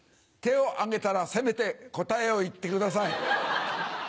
手を挙げたらせめて答えを言ってください。